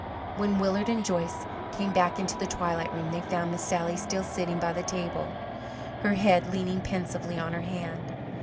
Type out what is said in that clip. When Willard and Joyce came back into the twilight room they found Miss Sally still sitting by the table, her head leaning pensively on her hand.